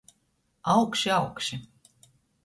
Augši, augši.